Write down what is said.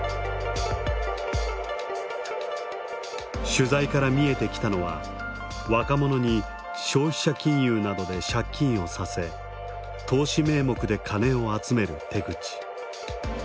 取材から見えてきたのは若者に消費者金融などで借金をさせ投資名目で金を集める手口。